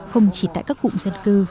không chỉ tại các cụm dân cư